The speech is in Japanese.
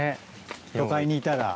都会にいたら。